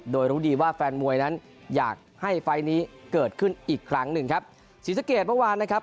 โดยรู้ดีว่าแฟนมวยนั้นอยากให้ไฟล์นี้เกิดขึ้นอีกครั้งหนึ่งครับศรีสะเกดเมื่อวานนะครับ